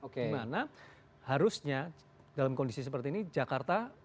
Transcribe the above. dimana harusnya dalam kondisi seperti ini jakarta